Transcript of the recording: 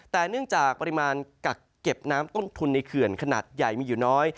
แต่เนื่องจากปริมาณกักเก็บน้ำต้นทุนในเขื่อนขนาดใหญ่มีอยู่น้อย